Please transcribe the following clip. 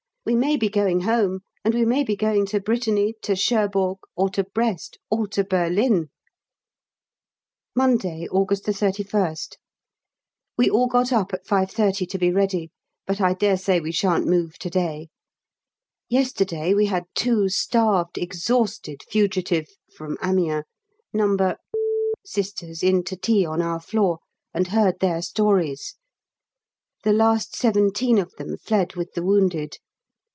We may be going home, and we may be going to Brittany, to Cherbourg, or to Brest, or to Berlin. Monday, August 31st. We all got up at 5.30 to be ready, but I daresay we shan't move to day. Yesterday we had two starved, exhausted, fugitive (from Amiens) No. Sisters in to tea on our floor, and heard their stories. The last seventeen of them fled with the wounded.